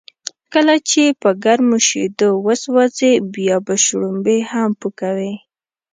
کله چې په گرمو شیدو و سوځې، بیا به شړومبی هم پو کوې.